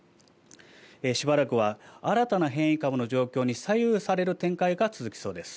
しばらくは新たな変異株の状況に左右される展開が続きそうです。